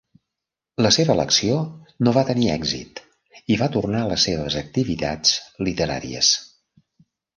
La seva elecció no va tenir èxit i va tornar a les seves activitats literàries.